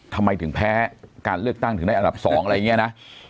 ทำไมถึงแพ้การเลือกตั้งถึงได้อันดับ๒อะไรอย่างนี้นะ